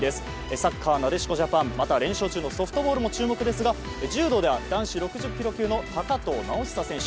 サッカー、なでしこジャパンまた連勝中のソフトボールも注目ですが柔道では男子６０ｋｇ級の高藤直寿選手